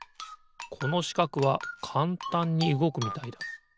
このしかくはかんたんにうごくみたいだ。